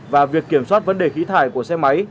và việc kiểm soát vấn đề khí thải của xe máy